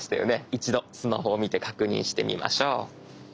一度スマホを見て確認してみましょう。